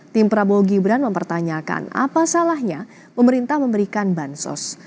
tim prabowo gibran mempertanyakan apa salahnya pemerintah memberikan bansos